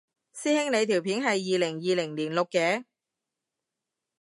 師兄你條片係二零二零年錄嘅？